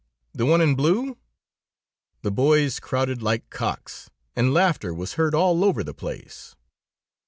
The one in blue?' "The boys crowed like cocks, and laughter was heard all over the place.